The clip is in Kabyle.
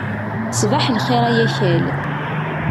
Ṣbaḥ lxir ay akal.